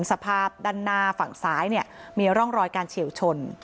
สภาพด้านหน้าฝั่งซ้ายเนี่ยมีร่องรอยการเฉียวชน